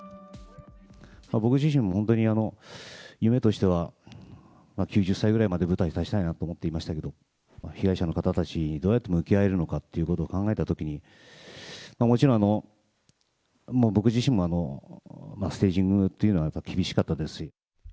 僕自身も本当に夢としては、９０歳ぐらいまで舞台に立ちたいなと思っていましたけど、被害者の方たちとどうやって向き合えるのかっていうことを考えたときに、もちろん、もう僕自身もステージングというのはやっぱり厳しかったです。